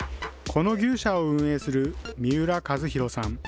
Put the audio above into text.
この牛舎を運営する三浦和博さん。